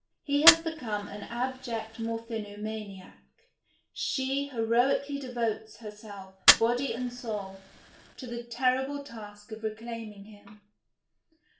He has become an abject mor|)hiiK)maiiiae ; she li<roir ally devotes lurself, body and soul, to the ttrriblc t;isk of rccliiiniing liiin.